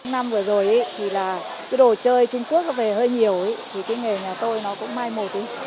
năm vừa rồi thì là cái đồ chơi trung quốc có vẻ hơi nhiều thì cái nghề nhà tôi nó cũng may một ý